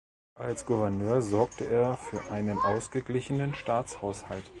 Als Gouverneur sorgte er für einen ausgeglichenen Staatshaushalt.